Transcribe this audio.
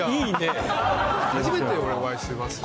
初めて俺お会いします。